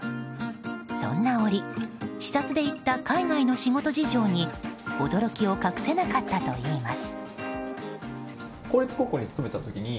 そんな折視察で行った海外の仕事事情に驚きを隠せなかったといいます。